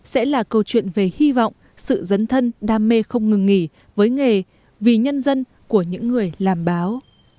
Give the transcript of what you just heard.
sẽ là câu chuyện về hy vọng sự dấn thân đam mê không ngừng nghỉ với nghề vì nhân dân của những người làm báo